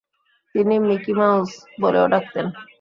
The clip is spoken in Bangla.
তিনি "মিকি মাউস" বলেও ডাকতেন।